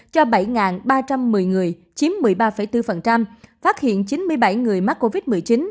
cho bảy ba trăm một mươi người chiếm một mươi ba bốn phát hiện chín mươi bảy người mắc covid một mươi chín